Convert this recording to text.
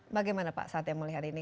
bagaimana pak satya melihat ini